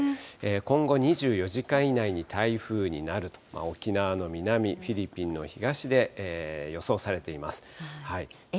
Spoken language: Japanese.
今後２４時間以内に台風になると、沖縄の南、フィリピンの東で予想されています。